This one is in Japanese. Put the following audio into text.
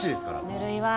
ぬるいわ。